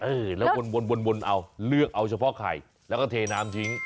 เออแล้ววนเอาเลือกเอาเฉพาะไข่แล้วก็เทน้ำทิ้ง